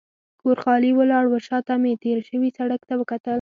کور خالي ولاړ و، شا ته مې تېر شوي سړک ته وکتل.